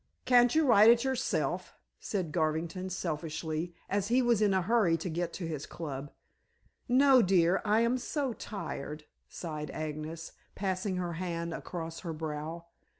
"Can't you write it yourself?" said Garvington selfishly, as he was in a hurry to get to his club. "No, dear. I am so tired," sighed Agnes, passing her hand across her brow.